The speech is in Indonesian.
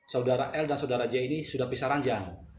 saudara l dan saudara j ini sudah pisah ranjang